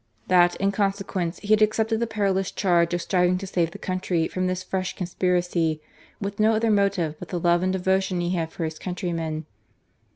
That, in consequence, he had ac cepted the perilous charge of striving to save the country from this fresh conspiracy, with no other motive but the love and devotion he had for his countrymen.